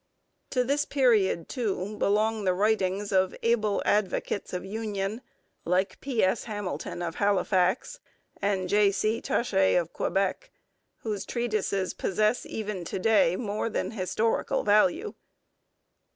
To this period, too, belong the writings of able advocates of union like P. S. Hamilton of Halifax and J. C. Taché of Quebec, whose treatises possess even to day more than historical value.